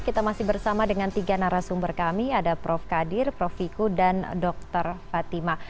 kita masih bersama dengan tiga narasumber kami ada prof kadir prof wiku dan dr fatima